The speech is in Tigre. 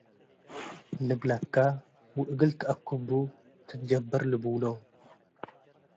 ” ልብለከ ወእግል ትአክቡ ትትጀበር ልቡሎ።